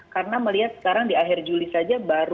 karena melihat sekarang di akhir juli saja